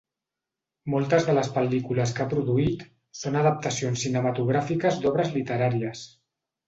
Moltes de les pel·lícules que ha produït són adaptacions cinematogràfiques d'obres literàries.